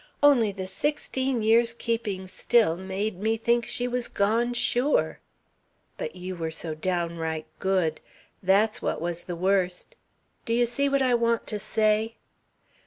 Only the sixteen years keeping still made me think she was gone sure ... but you were so downright good, that's what was the worst ... do you see what I want to say